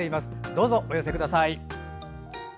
どうぞお寄せください。